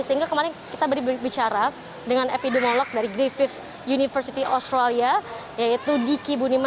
sehingga kemarin kita berbicara dengan epidemiolog dari griffith university australia yaitu diki bunima